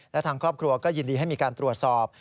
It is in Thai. และทางครอบครัวก็ยินดีให้มีการตรวจสอบ